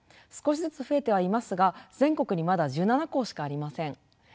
少しずつ増えてはいますが全国にまだ１７校しかありません。